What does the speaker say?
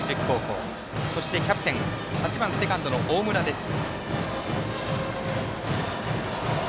そしてバッター、キャプテン８番セカンドの大村です。